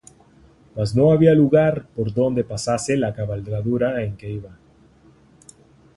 mas no había lugar por donde pasase la cabalgadura en que iba.